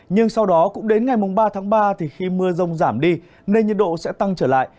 nhưng sau đó cũng đến ngày ba ba khi mưa rông giảm đi nền nhiệt độ sẽ tăng trở lại